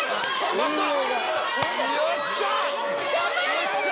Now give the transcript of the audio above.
よっしゃ！